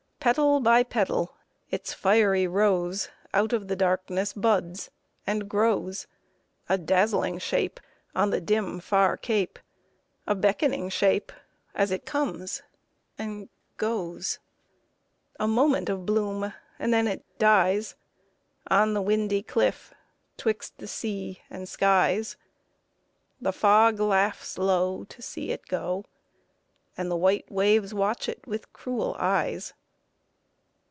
Petal by petal its fiery rose Out of the darkness buds and grows; A dazzling shape on the dim, far cape, A beckoning shape as it comes and goes. A moment of bloom, and then it dies On the windy cliff 'twixt the sea and skies. The fog laughs low to see it go, And the white waves watch it with cruel eyes.